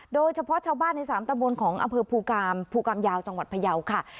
โดยเฉพาะชาวบ้านในสามตะบนของอำเภอภูกามภูกรรมยาวจังหวัดพยาวค่ะ